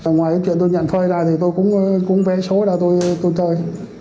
ngoài cái chuyện tôi nhận phơi ra thì tôi cũng vẽ số ra tôi chơi